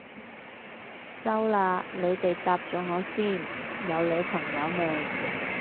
收啦，你哋答咗我先，有女朋友未？